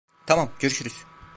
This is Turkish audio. Tamam, görüşürüz.